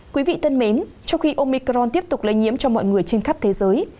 quý vị thân mến trong khi omicron tiếp tục lây nhiễm cho mọi người trên khắp thế giới